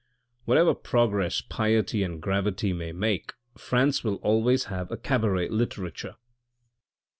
Whatever progress piety and gravity may make France will always have a cabaret literature.